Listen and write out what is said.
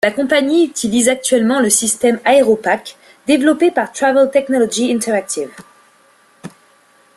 La compagnie utilise actuellement le système Aeropack, développé par Travel Technology Interactive.